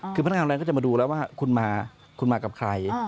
คือพนักงานร้านก็จะมาดูแล้วว่าคุณมากับใคร